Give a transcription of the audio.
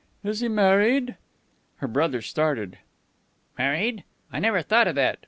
"Is he married?" Her brother started. "Married? I never thought of that.